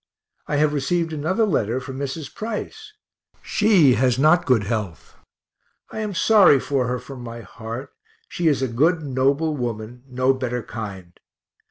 I have received another letter from Mrs. Price she has not good health. I am sorry for her from my heart; she is a good, noble woman, no better kind.